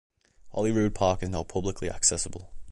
Holyrood Park is now publicly accessible.